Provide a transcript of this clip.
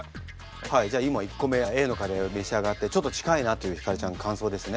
はいじゃあ今１個目Ａのカレーを召し上がってちょっと近いなという晃ちゃん感想ですね。